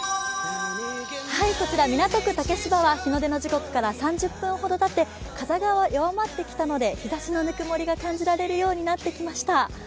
こちら、港区竹芝は日の出の時刻から３０分ほどたって風が弱まってきましたので日ざしのぬくもりが感じられるようになってきました。